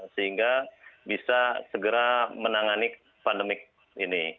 sehingga bisa segera menangani pandemi ini